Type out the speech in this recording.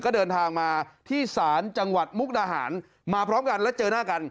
ก็เดินทางมาที่ศาลจังหวัดมุกดาหารมาพร้อมกันแล้วเจอหน้ากัน